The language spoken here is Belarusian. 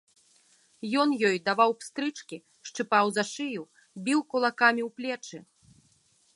Ён ёй даваў пстрычкі, шчыпаў за шыю, біў кулакамі ў плечы.